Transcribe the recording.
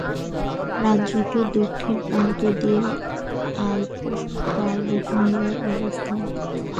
রাজ্যটির দক্ষিণ প্রান্ত দিয়ে আল্পস পর্বতমালার অবস্থান।